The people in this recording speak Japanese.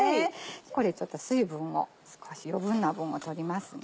これちょっと水分を少し余分な分を取りますね。